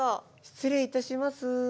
失礼いたします。